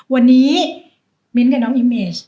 วันนี้มิ้นท์กับน้องอิมเมจ